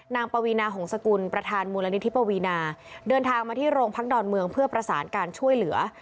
ปวีนาหงษกุลประธานมูลนิธิปวีนาเดินทางมาที่โรงพักดอนเมืองเพื่อประสานการช่วยเหลือ